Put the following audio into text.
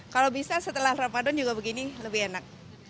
kalau bisa setelah ramadhan juga begini lebih enak